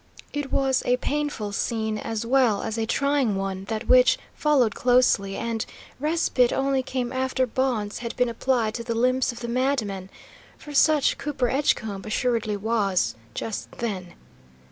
It was a painful scene as well as a trying one, that which followed closely, and respite only came after bonds had been applied to the limbs of the madman, for such Cooper Edgecombe assuredly was, just then.